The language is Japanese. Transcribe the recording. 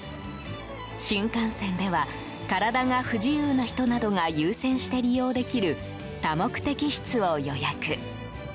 新幹線では体が不自由な人などが優先して利用できる多目的室を予約。